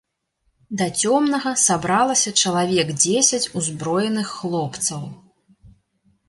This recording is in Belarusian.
Да цёмнага сабралася чалавек дзесяць узброеных хлопцаў.